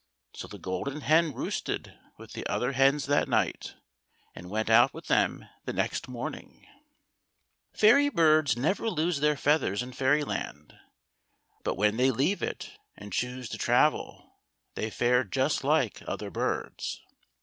So the Golden Hen roosted with the other hens that night, and went out with them the next morninfT. THE GOLDEN I/EN. 49 Fairy birds never lose their feathers in Fairyland, but when they leave it and choose to travel, they fare just like other birds.